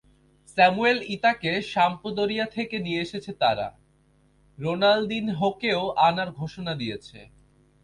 Samuel ইতোকে Sampdoria থেকে নিয়ে এসেছে তারা, রোনালদিনহোকেও আনার ঘোষণা দিয়েছে।